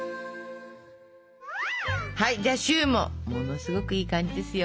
はいじゃあシューもものすごくいい感じですよ。